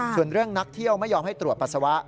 ส่วนเรื่องนักเที่ยวไม่ยอมให้ตรวจปัสสาวะ